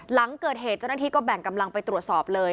หลังเกิดเหตุเจ้าหน้าที่ก็แบ่งกำลังไปตรวจสอบเลย